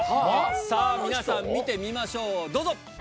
さあ、皆さん、見てみましょう、どうぞ。